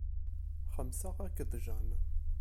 Xemmseɣ akked Jane.